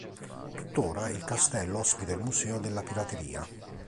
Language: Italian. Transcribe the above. Tuttora il castello ospita il Museo della Pirateria.